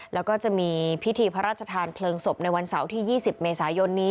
แล้วก็จะมีพิธีพระราชทานเพลิงศพในวันเสาร์ที่๒๐เมษายนนี้